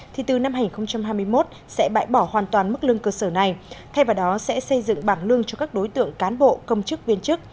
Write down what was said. thì từ năm hai nghìn hai mươi một sẽ bãi bỏ hoàn toàn mức lương cơ sở này thay vào đó sẽ xây dựng bảng lương cho các đối tượng cán bộ công chức viên chức